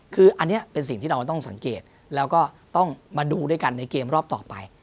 คืออันนี้เป็นสิ่งที่เราต้องสังเกตแล้วก็ต้องมาดูด้วยกันในเกมรอบต่อไป